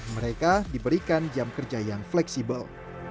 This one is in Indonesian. mereka diberikan jam kerja yang fleksibel